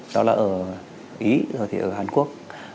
đó là ở ý rồi thì ở hàn quốc